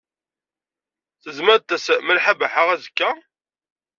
Tezmer ad d-tas Malḥa Baḥa azekka?